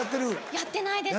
やってないです。